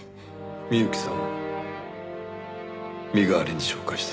美由紀さんを身代わりに紹介した。